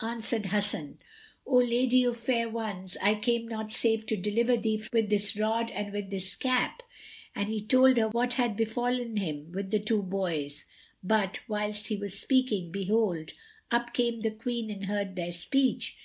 Answered Hasan, "O lady of fair ones, I came not save to deliver thee with this rod and with this cap." And he told her what had befallen him with the two boys; but, whilst he was speaking, behold, up came the Queen and heard their speech.